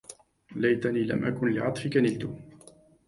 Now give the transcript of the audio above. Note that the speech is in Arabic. ليتني لم أكن لعطفك نلت